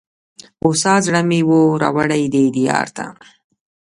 هوسا زړه مي وو را وړﺉ دې دیار ته